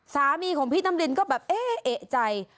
สามีของพี่น้ำรินก็แบบเอ๊ะเอกใจ